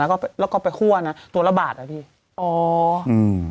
แล้วก็ไปฮั่วนะตัวละบาทเหรอพี่